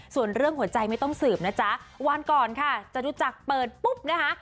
ส่วนเรื่องหัวใจไม่ต้องสืบนะจ๊ะวันก่อนค่ะจะรู้จักเปิดปุ๊บนะคะ